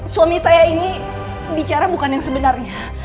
suami saya ini bicara bukan yang sebenarnya